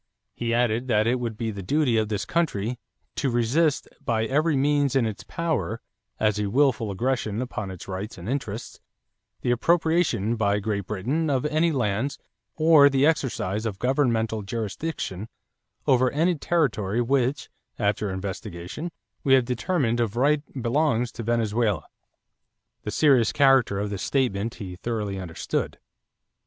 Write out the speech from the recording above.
He added that it would be the duty of this country "to resist by every means in its power, as a willful aggression upon its rights and interests, the appropriation by Great Britain of any lands or the exercise of governmental jurisdiction over any territory which, after investigation, we have determined of right belongs to Venezuela." The serious character of this statement he thoroughly understood.